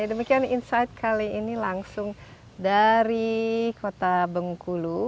demikian insight kali ini langsung dari kota bengkulu